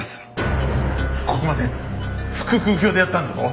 ここまで腹腔鏡でやったんだぞ。